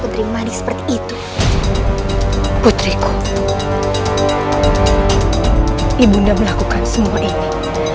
hari ini saya akan memilih